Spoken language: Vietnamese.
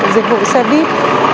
dịch vụ xe buýt